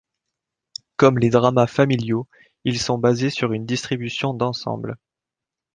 Comme les dramas familiaux, ils sont basés sur une distribution d'ensemble.